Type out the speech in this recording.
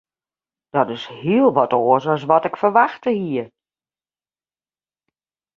Dat is hiel wat oars as wat ik ferwachte hie.